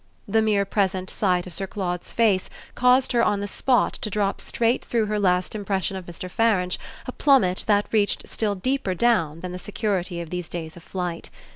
The mere present sight of Sir Claude's face caused her on the spot to drop straight through her last impression of Mr. Farange a plummet that reached still deeper down than the security of these days of flight.